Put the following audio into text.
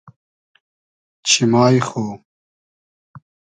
چیمای خو